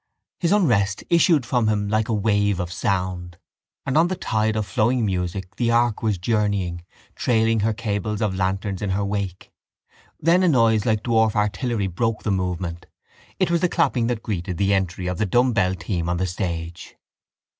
His unrest issued from him like a wave of sound: and on the tide of flowing music the ark was journeying, trailing her cables of lanterns in her wake. Then a noise like dwarf artillery broke the movement. It was the clapping that greeted the entry of the dumbbell team on the stage.